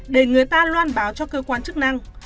để người ta loan báo cho cơ quan chức năng